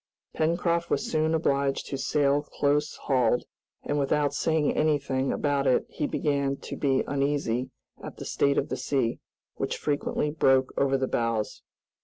Pencroft was soon obliged to sail close hauled, and without saying anything about it he began to be uneasy at the state of the sea, which frequently broke over the bows.